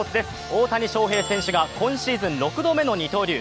大谷翔平選手が今シーズン６度目の二刀流。